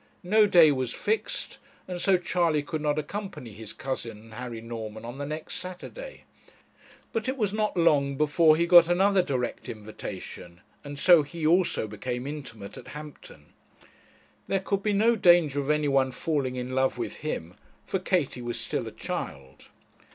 No day was fixed, and so Charley could not accompany his cousin and Harry Norman on the next Saturday; but it was not long before he got another direct invitation, and so he also became intimate at Hampton. There could be no danger of any one falling in love with him, for Katie was still a child.